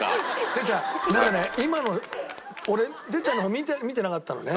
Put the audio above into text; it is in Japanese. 哲っちゃんなんかね今の俺哲っちゃんの方見てなかったのね。